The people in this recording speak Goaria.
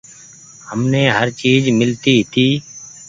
همني هر چئيز ملتي هيتي۔